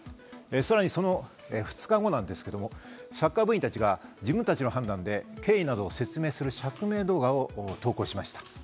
さらにその２日後、サッカー部員たちが自分たちの判断で経緯などを説明する釈明動画を投稿しました。